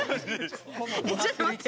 ちょっと待って。